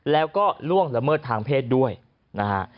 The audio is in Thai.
แล้วก็ล่วงละเมิดทางเพศด้วยนะฮะ